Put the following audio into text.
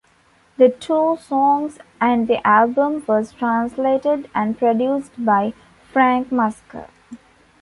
The two songs and the album were translated and produced by Frank Musker.